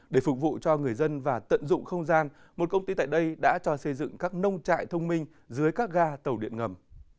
để phục vụ cho người dân và tận dụng không gian một công ty tại đây đã cho xây dựng các nông trại thông minh dưới các ga tàu điện ngầm